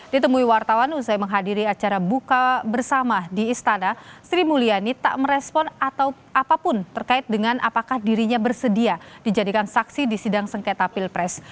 ditemui wartawan usai menghadiri acara buka bersama di istana sri mulyani tak merespon atau apapun terkait dengan apakah dirinya bersedia dijadikan saksi di sidang sengketa pilpres